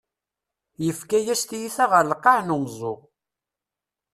Yefka-yas tiyita ɣer lqaɛ n umeẓẓuɣ.